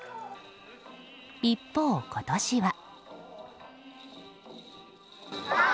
一方、今年は。